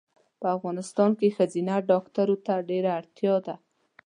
په افغانستان کې ښځېنه ډاکټرو ته ډېره اړتیا ده